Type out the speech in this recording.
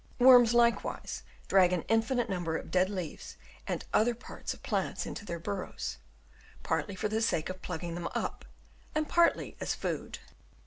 Worms likewise drag an infinite number of dead leaves and other parts of plants into their burrows, partly for the sake of plugging them up and partly as food.